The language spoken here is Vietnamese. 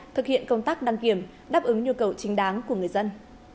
thực hiện công tác đăng kiểm đáp ứng nhu cầu chính đáng của người dân